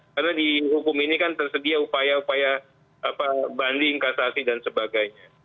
karena di hukum ini kan tersedia upaya upaya banding kasasi dan sebagainya